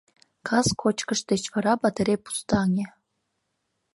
Кас кочкыш деч вара батарей пустаҥе.